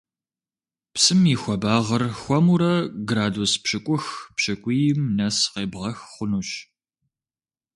Псым и хуабагъыр хуэмурэ градус пщыкӀух – пщыкӀуийм нэс къебгъэх хъунущ.